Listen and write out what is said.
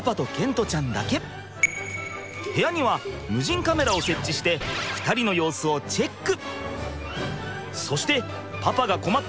部屋には無人カメラを設置して２人の様子をチェック！